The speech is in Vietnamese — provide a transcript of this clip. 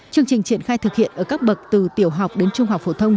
chương trình triển khai thực hiện ở các bậc từ tiểu học đến trung học phổ thông